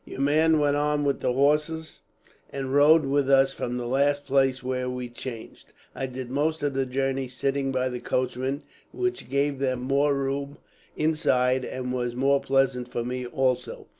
Your man went on with the horses, and rode with us from the last place where we changed. I did most of the journey sitting by the coachman; which gave them more room inside, and was more pleasant for me, also."